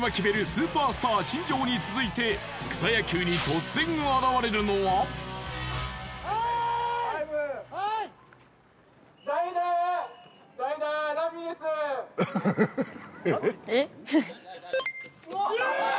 スーパースター新庄に続いて草野球に突然現れるのはおーい！